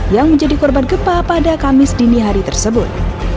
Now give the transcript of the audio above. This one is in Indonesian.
yang menjadi korban gempa pada kamis dini hari tersebut